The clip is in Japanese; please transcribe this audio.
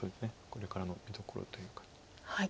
これからの見どころというか。